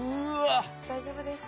大丈夫です。